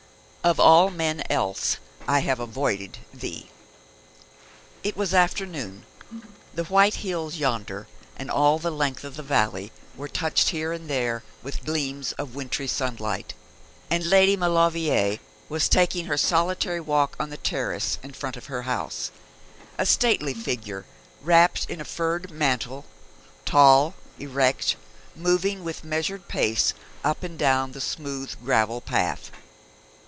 'OF ALL MEN ELSE I HAVE AVOIDED THEE.' It was afternoon. The white hills yonder and all the length of the valley were touched here and there with gleams of wintry sunlight, and Lady Maulevrier was taking her solitary walk on the terrace in front of her house, a stately figure wrapped in a furred mantle, tall, erect, moving with measured pace up and down the smooth gravel path.